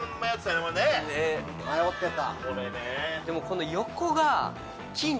迷ってた。